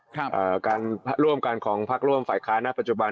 การร่วมกันของพักร่วมฝ่ายค้าณปัจจุบัน